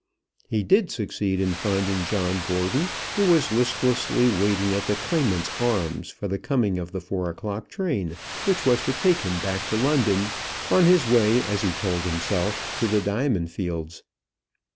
He did succeed in finding John Gordon, who was listlessly waiting at the Claimant's Arms for the coming of the four o'clock train which was to take him back to London, on his way, as he told himself, to the diamond fields.